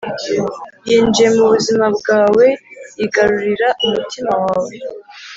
yinjiye mubuzima bwawe yigarurira umutima wawe